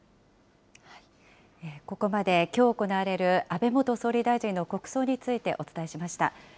ここまで、きょう行われる安倍元総理大臣の国葬についてお伝えしました。